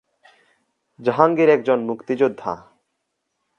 জাহাঙ্গীর একজন মুক্তিযোদ্ধা।